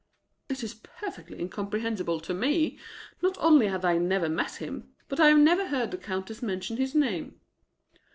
"It is perfectly incomprehensible to me. Not only have I never met him, but I have never heard the Countess mention his name."